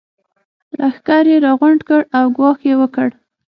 لښکر يې راغونډ کړ او ګواښ يې وکړ.